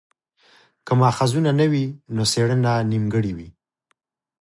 که ماخذونه نه وي نو څېړنه نیمګړې وي.